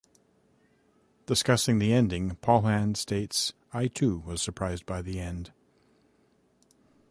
Discussing the ending, Paulhan states, I too was surprised by the end.